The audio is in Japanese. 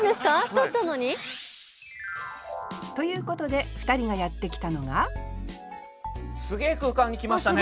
とったのに？ということで２人がやって来たのがすげえ空間に来ましたね。